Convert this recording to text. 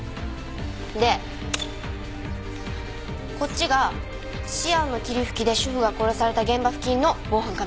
でこっちがシアンの霧吹きで主婦が殺された現場付近の防犯カメラです。